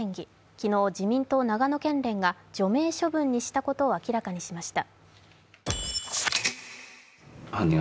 昨日、自民党長野県連が除名処分にしたことを明らかにしました。